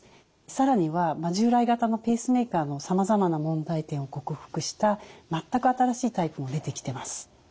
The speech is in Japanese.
更には従来型のペースメーカーのさまざまな問題点を克服したまったく新しいタイプも出てきてます。